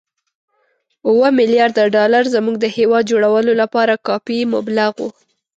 اووه ملیارده ډالر زموږ د هېواد جوړولو لپاره کافي مبلغ وو.